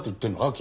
君。